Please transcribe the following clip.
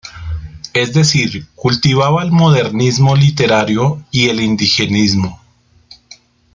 Es decir, cultivaba el modernismo literario y el indigenismo.